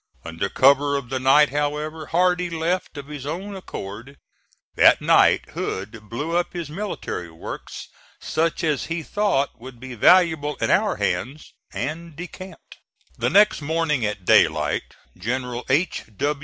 Under cover of the night, however, Hardee left of his own accord. That night Hood blew up his military works, such as he thought would be valuable in our hands, and decamped. The next morning at daylight General H.